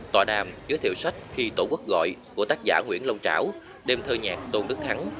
tòa đàm giới thiệu sách khi tổ quốc gọi của tác giả nguyễn long trảo đêm thơ nhạc tôn đức thắng